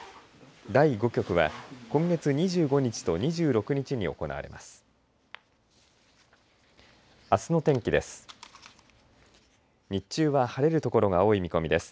第５局は今月２５日と２６日に行われます。